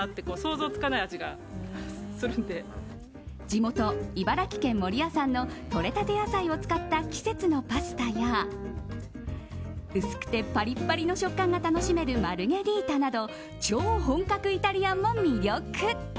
地元・茨城県守谷産の採れたて野菜を使った季節のパスタや薄くてパリパリの食感が楽しめるマルゲリータなど超本格イタリアンも魅力。